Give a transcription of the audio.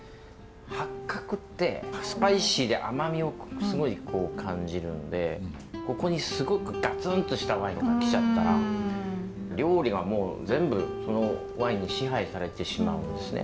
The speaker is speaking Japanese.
八角ってスパイシーで甘みをすごい感じるんでここにすごくガツンとしたワインとか来ちゃったら料理がもう全部そのワインに支配されてしまうんですね。